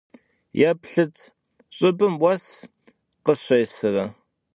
Yêplhıt, ş'ıbım vues khışêsıre!